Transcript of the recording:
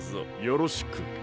よろしく。